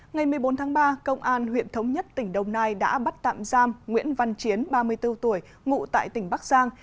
ngày một mươi bốn tháng ba công an huyện thống nhất tỉnh đồng nai đã bắt tạm giam nguyễn văn chiến ba mươi bốn tuổi ngụ tại tỉnh bắc giang